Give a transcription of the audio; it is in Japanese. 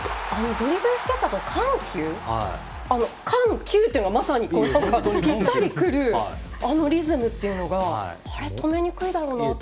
ドリブルしてた時の緩急がまさにぴったりくるあのリズムがあれ、止めにくいだろうなって。